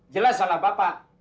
jelas salah bapak